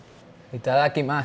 いただきます。